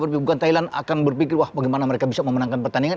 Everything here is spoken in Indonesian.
bukan thailand akan berpikir wah bagaimana mereka bisa memenangkan pertandingan